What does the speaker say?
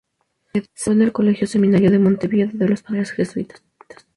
Se educó en el Colegio Seminario de Montevideo, de los padres jesuitas.